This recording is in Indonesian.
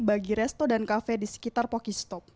bagi resto dan kafe di sekitar pokiestop